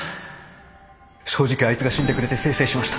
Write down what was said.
正直あいつが死んでくれてせいせいしました